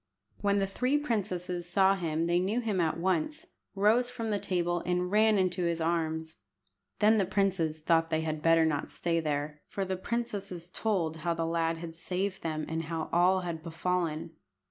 When the three princesses saw him they knew him at once, rose from the table, and ran into his arms. Then the princes thought they had better not stay there, for the princesses told how the lad had saved them, and how all had befallen.